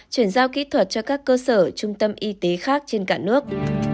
chuyển giao kỹ thuật cho các cơ sở trung tâm y tế khác trên cả nước